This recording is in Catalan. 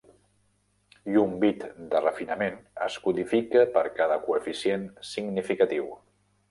I un bit de refinament es codifica per cada coeficient significatiu.